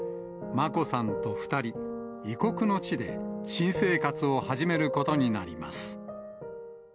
眞子さんと２人、異国の地で新生活を始めることになります。